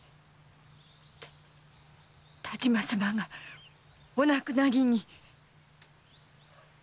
田島様がお亡くなりに！